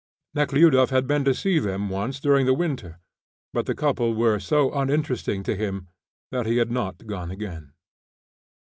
Nekhludoff had been to see them once during the winter, but the couple were so uninteresting to him that he had not gone again.